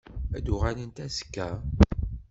Ad d-uɣalent azekka?